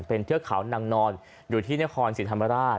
เป็นเทือกเขานางนอนอยู่ที่นครศรีธรรมราช